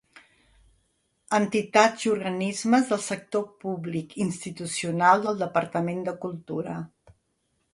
Entitats i organismes del sector públic institucional del Departament de Cultura.